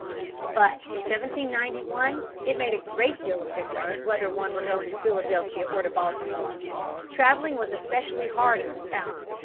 But in 1791 it made a great deal of difference whether one were going to Philadelphia or to Baltimore. Traveling was especially hard in the South.